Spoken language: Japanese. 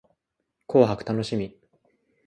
紅白楽しみ